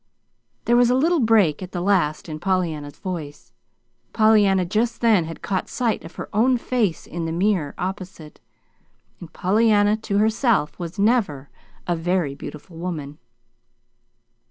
There was a little break at the last in Pollyanna's voice. Pollyanna, just then, had caught sight of her own face in the mirror opposite and Pollyanna to herself was never "a very beautiful woman."